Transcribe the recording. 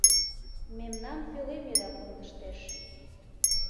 Мемнам пӧлем еда кондыштеш: